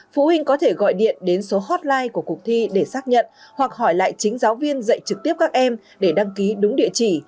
phụ huynh có thể gọi điện đến số hotline của cuộc thi để xác nhận hoặc hỏi lại chính giáo viên dạy trực tiếp các em để đăng ký đúng địa chỉ